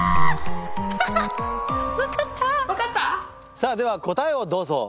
さあでは答えをどうぞ！